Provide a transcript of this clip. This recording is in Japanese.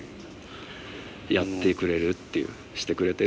やってくれるっていうしてくれてるっていう。